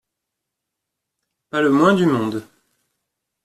Pas le moins du monde